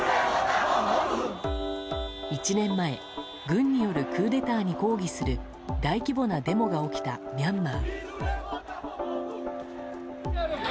１年前軍によるクーデターに抗議する大規模なデモが起きたミャンマー。